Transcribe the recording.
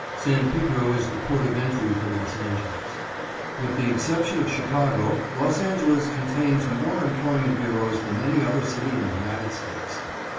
San Pedro is the port of entry for Los Angeles. With the exception of Chicago, Los Angeles contains more employment bureaus than any other city in the United States.